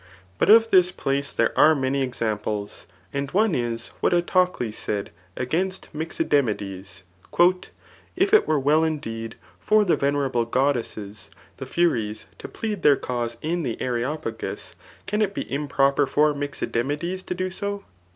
[But of this place there are many examples,3 and one is, what Autocles said against Mixidemides, ^* If it were well indeed for the venerable goddesses [the Furies3 to plead their cause in the Areopagus, can it be improper for Mixidemides to do so